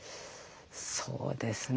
そうですね